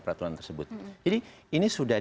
peraturan tersebut jadi ini sudah